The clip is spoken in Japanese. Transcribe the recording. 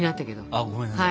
あごめんなさい。